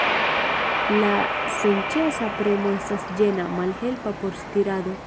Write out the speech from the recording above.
La senĉesa premo estas ĝena, malhelpa por stirado.